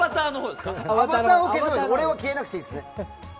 俺は消えなくていいですね。